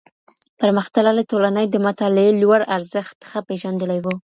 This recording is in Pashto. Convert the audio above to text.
پرمختللې ټولني د مطالعې لوړ ارزښت ښه پېژندلی و.